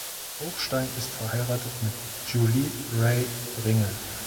Hochstein ist verheiratet mit Julie Rae Ringel.